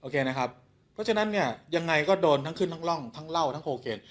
เพราะฉะนั้นเนี่ยยังไงก็โดนทั้งขึ้นทั้งร่องทั้งเหล้าทั้งโคเคน